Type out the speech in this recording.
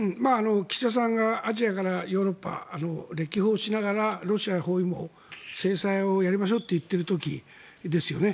岸田さんがアジアからヨーロッパ歴訪しながらロシア包囲網制裁をやりましょうと言っている時ですよね。